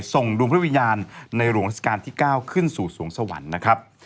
ส่งดวงพระวิญญาณในหลวงราชการที่๙ขึ้นสู่สวงสวรรค์นะครับ